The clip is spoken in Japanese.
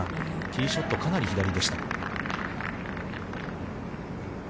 ティーショット、かなり左でした。